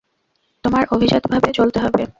তোমার অভিজাতভাবে চলতে হবে।